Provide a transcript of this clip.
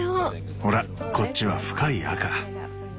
ほらこっちは深い赤。